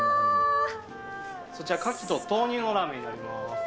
そちら、カキと豆乳のラーメンになりますね。